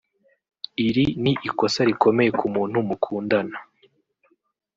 Iri ni ikosa rikomeye k’umuntu mukundana